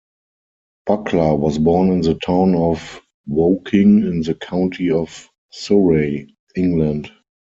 Buckler was born in the town of Woking in the county of Surrey, England.